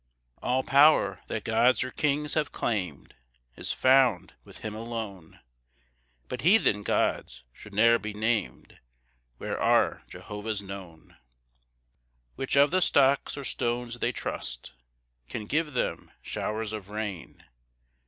4 All power, that gods or kings have claim'd Is found with him alone; But heathen gods should ne'er be nam'd Where our Jehovah's known. 5 Which of the stocks or stones they trust Can give them showers of rain?